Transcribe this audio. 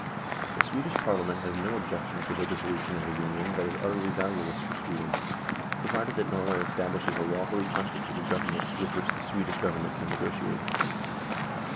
The Swedish Parliament has no objection to the dissolu tion of a union that is utterly valuless for Sweden, provided that Norway establishes a lawfully consti tuted Government with which the Swedish Govern ment can negotiate."